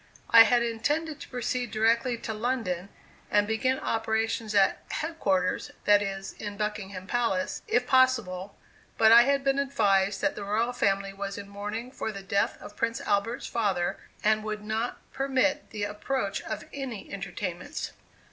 I had intended to proceed directly to London and begin operations at "head quarters," that is, in Buckingham Palace, if possible; but I had been advised that the royal family was in mourning for the death of Prince Albert's father, and would not permit the approach of any entertainments.